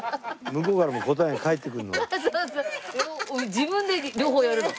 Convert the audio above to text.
自分で両方やるの。